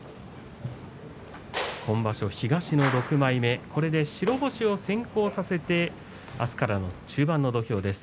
今場所は東の６枚目白星を先行させて明日からの中盤の土俵です。